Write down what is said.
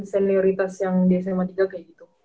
senioritas yang di sma tiga kayak gitu